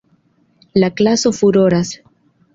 La klaso furoras.